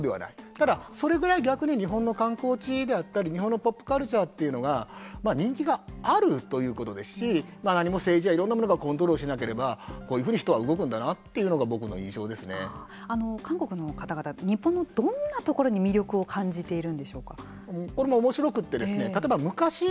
ただ、それぐらい逆に日本の観光地であったり日本のトップカルチャーというのが人気があるということですし何も政治やいろんなものがコントロールしなければこういうふうに人は動くんだなというのが韓国の方々日本のどんなところに魅力を感じているんでしょうか。